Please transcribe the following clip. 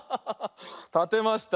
たてました。